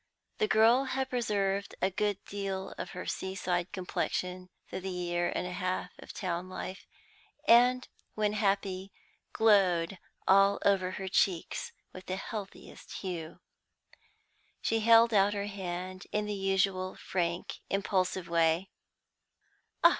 The girl had preserved a good deal of her sea side complexion through the year and a half of town life, and, when happy, glowed all over her cheeks with the healthiest hue. She held out her hand in the usual frank, impulsive way.